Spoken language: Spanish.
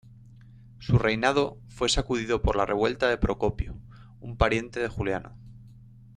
Su reinado fue sacudido por la revuelta de Procopio, un pariente de Juliano.